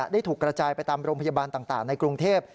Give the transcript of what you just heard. ได้ถูกกระจายไปตามโรงพยาบาลต่างในกรุงเทพ